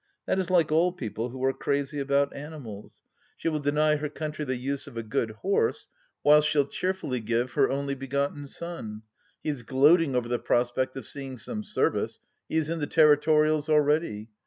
That is like all people who are crazy about animals, She will deny her THE LAST DITCH 81 country the use of a good horse, while she'll cheerfully give her only begotten son. He is gloating over the prospect of seeing some service : he is in the Territorials already.